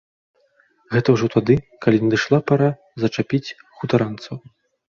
Гэта ўжо тады, калі надышла пара зачапіць хутаранцаў.